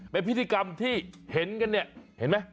เป็นพิธีกรรมที่เห็นกันเนี่ยเห็นไหม